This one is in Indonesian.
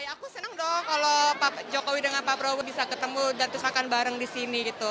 aku senang dong kalau jokowi dan prabowo bisa ketemu dan terus akan bareng di sini